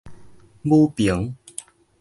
武平